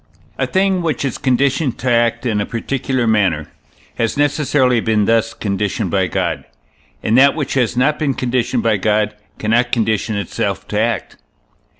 A thing which is conditioned to act in a particular manner, has necessarily been thus conditioned by God; and that which has not been conditioned by God cannot condition itself to act.